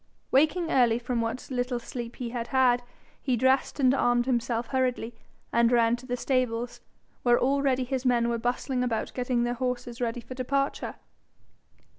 Waking early from what little sleep he had had, he dressed and armed himself hurriedly, and ran to the stables, where already his men were bustling about getting their horses ready for departure.